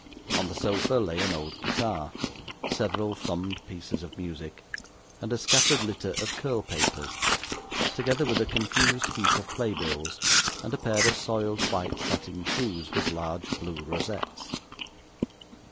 On the sofa lay an old guitar, several thumbed pieces of music, and a scattered litter of curl papers; together with a confused heap of play bills, and a pair of soiled white satin shoes with large blue rosettes.